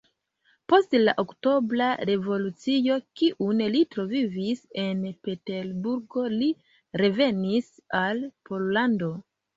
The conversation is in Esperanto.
Post la Oktobra Revolucio, kiun li travivis en Peterburgo, li revenis al Pollando.